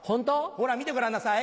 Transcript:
ほら見てごらんなさい。